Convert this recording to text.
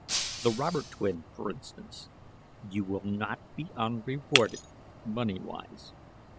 "The Robert twin, f'r instance. 'You will not be unrewarded, moneywise.'